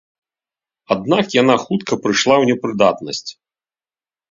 Аднак яна хутка прыйшла ў непрыдатнасць.